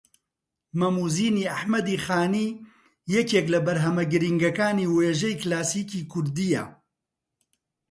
مەم و زینی ئەحمەدی خانی یەکێک لە بەرھەمە گرینگەکانی وێژەی کلاسیکی زمانی کوردییە